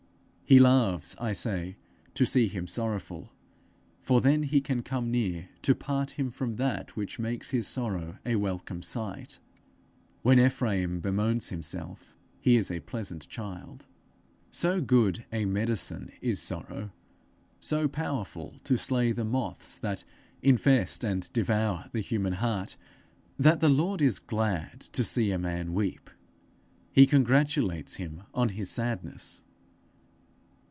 He loves, I say, to see him sorrowful, for then he can come near to part him from that which makes his sorrow a welcome sight. When Ephraim bemoans himself, he is a pleasant child. So good a medicine is sorrow, so powerful to slay the moths that infest and devour the human heart, that the Lord is glad to see a man weep. He congratulates him on his sadness.